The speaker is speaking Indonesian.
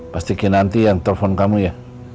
pastinya nanti yang telepon kamu ya